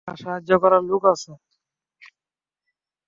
না, সাহায্য করার লোক আছে।